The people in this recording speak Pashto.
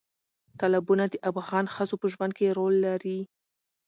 تالابونه د افغان ښځو په ژوند کې رول لري.